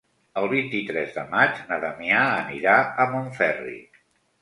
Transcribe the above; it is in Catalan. El vint-i-tres de maig na Damià anirà a Montferri.